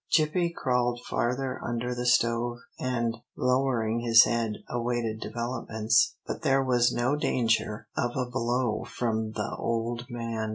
Gippie crawled farther under the stove, and, lowering his head, awaited developments. But there was no danger of a blow from the old man.